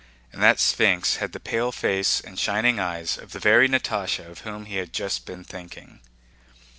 And that sphinx had the pale face and shining eyes of the very Natásha of whom he had just been thinking.